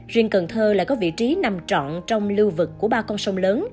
riêng cần thơ lại có vị trí nằm trọn trong lưu vực của ba con sông lớn